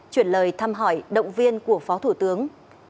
chuyển lời thăm hỏi động viên của phó thủ tướng